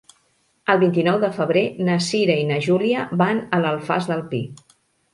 El vint-i-nou de febrer na Cira i na Júlia van a l'Alfàs del Pi.